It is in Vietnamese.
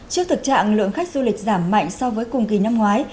trước thực trạng lượng khách du lịch giảm mạnh so với cùng kỳ năm ngoái